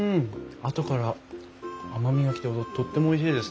あとから甘みが来てとってもおいしいです。